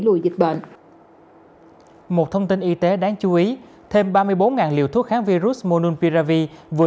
lùi dịch bệnh một thông tin y tế đáng chú ý thêm ba mươi bốn liều thuốc kháng virus monun piravi vừa